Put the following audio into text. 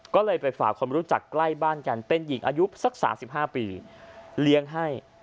ก็เลยไปฝากคนรู้จักใกล้บ้านกันเป็นหญิงอายุสัก๓๕ปีเลี้ยงให้